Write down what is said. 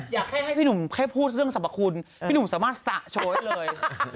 อยากให้พี่หนุ่มแค่พูดเรื่องสรรพคุณพี่หนุ่มสามารถสระโชว์ได้เลย